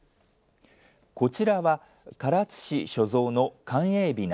こちらは、唐津市所蔵の寛永雛。